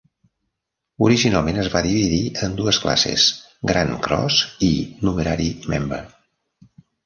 Originalment es va dividir en dues classes: "Grand Cross" i "Numerary Member".